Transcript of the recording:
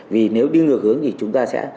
vì nếu đi ngược hướng thì chúng ta sẽ